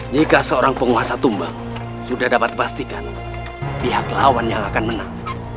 jika seorang penguasa tumbang sudah dapat pastikan pihak lawan yang akan menang